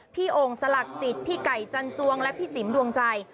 โอ่งสลักจิตพี่ไก่จันจวงและพี่จิ๋มดวงใจ